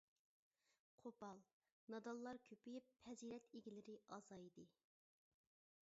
قوپال، نادانلار كۆپىيىپ پەزىلەت ئىگىلىرى ئازايدى.